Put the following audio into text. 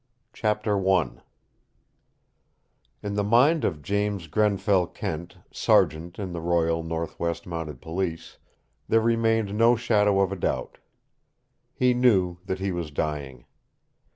CHAPTER I In the mind of James Grenfell Kent, sergeant in the Royal Northwest Mounted Police, there remained no shadow of a doubt. He knew that he was dying.